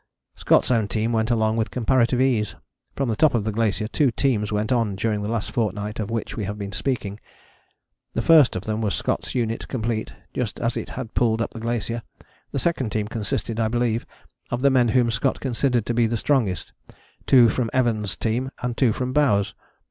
Scott's own team went along with comparative ease. From the top of the glacier two teams went on during the last fortnight of which we have been speaking. The first of them was Scott's unit complete, just as it had pulled up the glacier. The second team consisted, I believe, of the men whom Scott considered to be the strongest; two from Evans' team, and two from Bowers'.